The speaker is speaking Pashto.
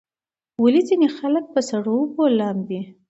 ولې ځینې خلک په سړو اوبو کې لامبي؟